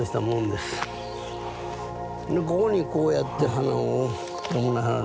でここにこうやって花を。